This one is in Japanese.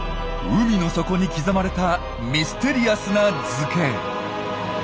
海の底に刻まれたミステリアスな図形。